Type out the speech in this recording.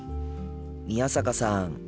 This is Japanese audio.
宮坂さん